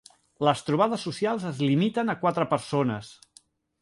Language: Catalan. Les trobades socials es limiten a quatre persones.